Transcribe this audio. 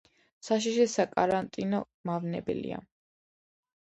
საშიში საკარანტინო მავნებელია.